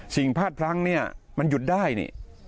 สิ่งพลาดพลั้งนี่มันหยุดได้นี่